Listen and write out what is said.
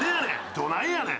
「どないやねん」